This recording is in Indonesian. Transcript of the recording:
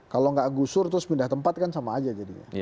kalau nggak gusur terus pindah tempat kan sama aja jadinya